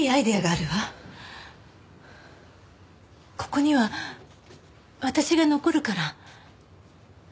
ここには私が残るから。